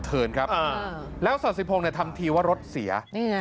เทิร์นครับอ่าแล้วสาธิปรงเนี้ยทำทีว่ารถเสียนี่น่ะ